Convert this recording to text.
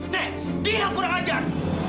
nek dia kurang ajar